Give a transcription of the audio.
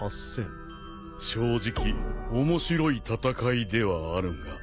正直面白い戦いではあるが。